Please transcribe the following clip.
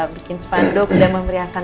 bikin sepandung dan memberiakan